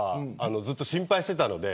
ずっと心配していたんで。